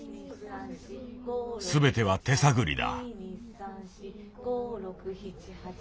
すべては手探りだ。